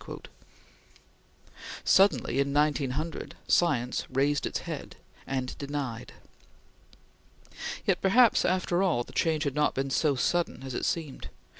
Suddenly, in 1900, science raised its head and denied. Yet, perhaps, after all, the change had not been so sudden as it seemed.